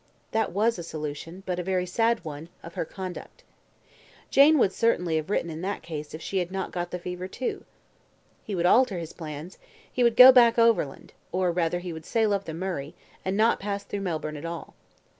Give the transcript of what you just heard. That was a solution but a very sad one of her conduct. Jane would have certainly written in that case if she had not got the fever too. He would alter his plans: he would go back overland; or, rather, he would sail up the Murray, and not pass through Melbourne at all.